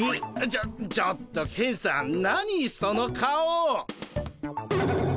ちょちょっとケンさん何その顔。